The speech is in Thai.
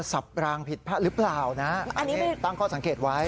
สับรางผิดหรือเปล่านะตั้งข้อสังเกตไว้